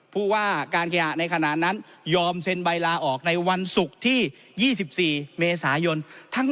ผู้ว่าการเคหะในขณะนั้นยอมเซ็นใบลาออกในวันศุกร์ที่๒๔เมษายน